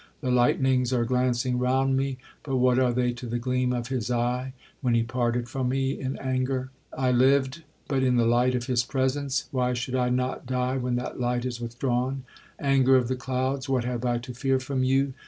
The lightnings are glancing round me—but what are they to the gleam of his eye when he parted from me in anger? 'I lived but in the light of his presence—why should I not die when that light is withdrawn? Anger of the clouds, what have I to fear from you?